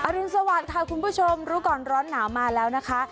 รุนสวัสดิ์ค่ะคุณผู้ชมรู้ก่อนร้อนหนาวมาแล้วนะคะ